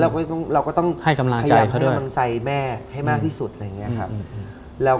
และเราก็ต้องให้กำลังกับค่ะหยั่งใจแหมให้มากที่สุดแล้วอย่างเงี้ยครับแล้ว